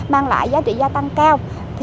mang lại giá trị gia tăng cao